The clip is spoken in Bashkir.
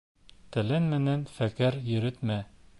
Телең менән фекер йөрөтмә